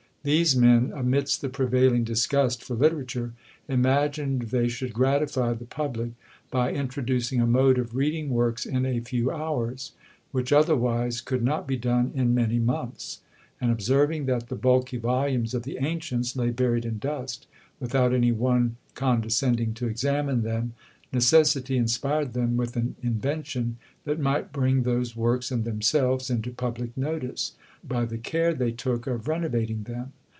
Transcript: These men, amidst the prevailing disgust for literature, imagined they should gratify the public by introducing a mode of reading works in a few hours, which otherwise could not be done in many months; and, observing that the bulky volumes of the ancients lay buried in dust, without any one condescending to examine them, necessity inspired them with an invention that might bring those works and themselves into public notice, by the care they took of renovating them.